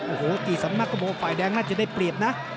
โอ้โหกี่สำนักก็บอกว่าฝ่ายแดงน่าจะได้เปรียบนะ